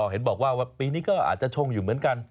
เห็นบอกว่าปีนี้ก็อาจจะชงอยู่เหมือนกัน